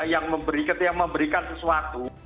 yang memberikan sesuatu